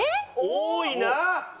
多いな！